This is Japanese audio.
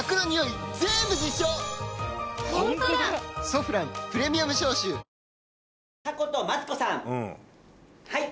「ソフランプレミアム消臭」はい